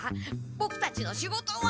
ボクたちの仕事は！